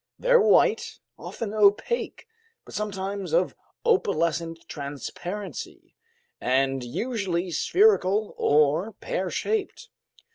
They're white, often opaque but sometimes of opalescent transparency, and usually spherical or pear shaped.